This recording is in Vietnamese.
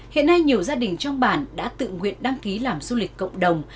hiện nay nhiều gia đình trong bản đã tự nguyện đăng ký làm du lịch cộng đồng